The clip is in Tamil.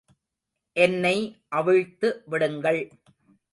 என்னை அவிழ்த்து விடுங்கள்.